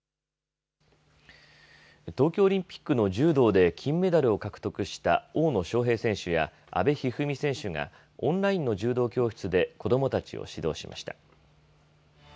東京オリンピックの柔道で、金メダルを獲得した大野将平選手や阿部一二三選手が、オンラインの柔道教室で子どもたちを指導しました。